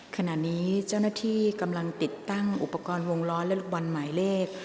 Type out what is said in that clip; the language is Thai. ขณะนี้เจ้าหน้าที่กำลังติดตั้งอุปกรณ์วงล้อและลูกบอลหมายเลข